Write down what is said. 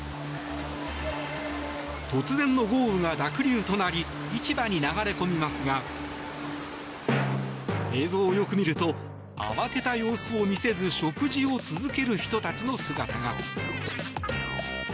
突然の豪雨が濁流となり市場に流れ込みますが映像をよく見ると慌てた様子を見せず食事を続ける人たちの姿が。